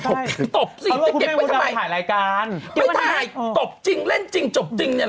ชุดขี้ตกว่าคุณพฤทธิ์ดำถ่ายรายการไม่ถ่ายตกจริงเล่นจริงจบจริง